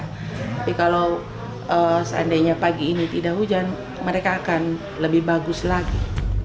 tapi kalau seandainya pagi ini tidak hujan mereka akan lebih bagus lagi